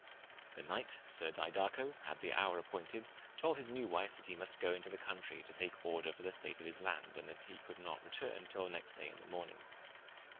The knight sir Didaco, at the houre appointed, tolde his new wife that he must go into the countrie, to take order for the state of his land, and that he could not retourne, til the next day in the morning.